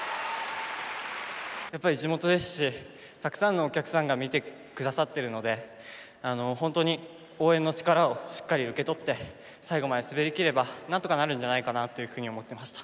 やっぱり地元ですしたくさんのお客さんが見てくださってるので本当に応援の力をしっかり受け取って最後まで滑り切ればなんとかなるんじゃないかなというふうに思ってました。